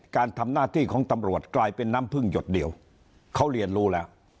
การทำหน้าที่ของตำรวจกลายเป็นน้ำพึ่งหยดเดียวเขาเรียนรู้แล้ว